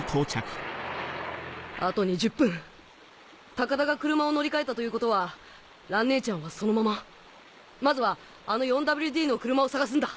あと２０分高田が車を乗り換えたということは蘭ねえちゃんはそのまままずはあの４ＷＤの車を探すんだ。